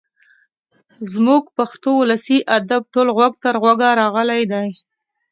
زموږ پښتو ولسي ادب ټول غوږ تر غوږه راغلی دی.